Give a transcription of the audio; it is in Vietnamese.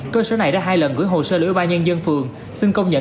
cơ sở này đã hai lần gửi hồ sơ lưỡi ba nhân dân phường xin công nhận